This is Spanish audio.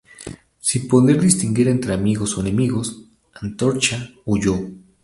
Sin poder distinguir entre amigos y enemigos, Antorcha huyó.